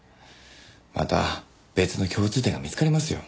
また別の共通点が見つかりますよ。